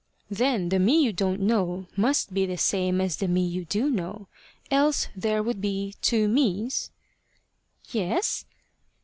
"Then the me you don't know must be the same as the me you do know, else there would be two mes?" "Yes."